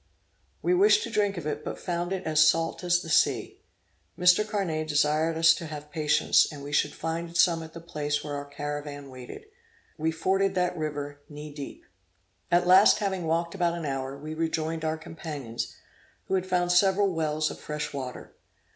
We wished to drink of it, but found it as salt as the sea. Mr. Carnet desired us to have patience, and we should find some at the place where our caravan waited. We forded that river knee deep. At last, having walked about an hour, we rejoined our companions, who had found several wells of fresh water.